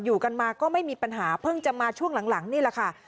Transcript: อยู่กันมาก็ไม่มีปัญหาเพิ่งจะมาช่วงหลังนี่แหละค่ะ